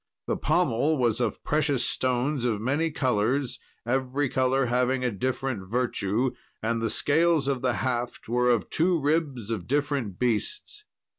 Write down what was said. The pommel was of precious stones of many colours, every colour having a different virtue, and the scales of the haft were of two ribs of different beasts.